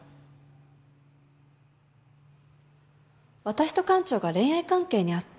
私と館長が恋愛関係にあった？